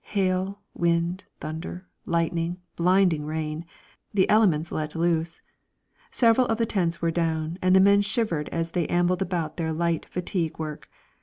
Hail, wind, thunder, lightning, blinding rain the elements let loose! Several of the tents were down, and the men shivered as they ambled about their light fatigue work.